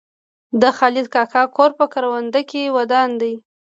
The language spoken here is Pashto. د خالد کاکا کور په کرونده کې ودان دی.